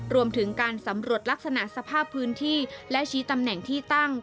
รวมถึงการสำรวจลักษณะสภาพพื้นที่และชี้ตำแหน่งที่ตั้ง